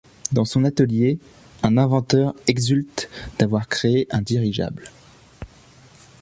Dans son atelier, un inventeur exulte d'avoir créé un dirigeable.